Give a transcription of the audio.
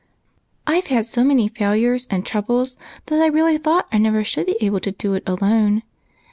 "I've had so many failures and troubles that I really thought I never should be able to do it alone.